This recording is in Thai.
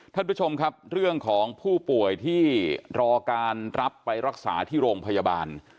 ท่านผู้ชมครับเรื่องของผู้ป่วยที่รอการรับไปรักษาที่โรงพยาบาล